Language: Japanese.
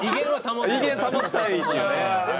威厳保ちたいっていうね。